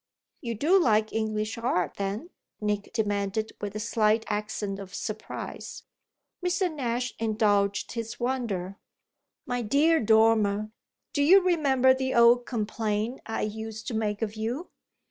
"You do like English art then?" Nick demanded with a slight accent of surprise. Mr. Nash indulged his wonder. "My dear Dormer, do you remember the old complaint I used to make of you?